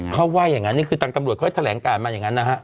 เพราะว่าอย่างงั้นนี่คือตังค์ตำรวจเขาให้แถลงการมาอย่างงั้นนะครับ